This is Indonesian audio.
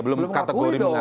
belum mengakui dong